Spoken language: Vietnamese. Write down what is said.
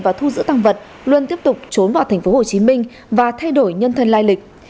và thu giữ tăng vật luôn tiếp tục trốn vào tp hcm và thay đổi nhân thân lai lịch